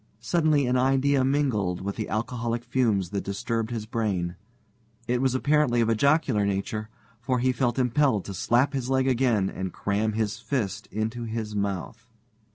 Suddenly an idea mingled with the alcoholic fumes that disturbed his brain. It was apparently of a jocular nature, for he felt impelled to slap his leg again and cram his fist into his mouth.